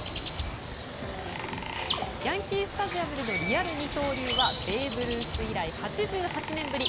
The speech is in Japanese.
ヤンキー・スタジアムでのリアル二刀流はベーブ・ルース以来８８年ぶり。